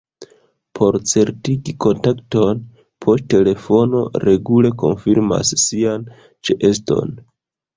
Por certigi kontakton poŝtelefono regule konfirmas sian ĉeeston.